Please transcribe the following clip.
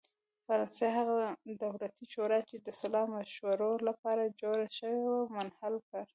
فرانسس هغه دولتي شورا چې د سلا مشورو لپاره جوړه شوې وه منحل کړه.